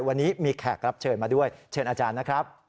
วันนี้มีแขกรับเชิญมาด้วยเชิญอาจารย์นะครับ